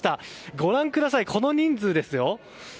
ご覧ください、この人数ですよ。